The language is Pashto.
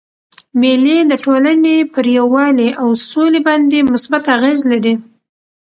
مېلې د ټولني پر یووالي او سولي باندي مثبت اغېز لري.